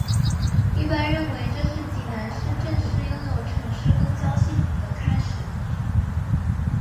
一般认为这是济南市正式拥有城市公交系统的开始。